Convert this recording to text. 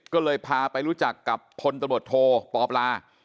ก็เลยพาไปรู้จักกับพลตบทโทปปลา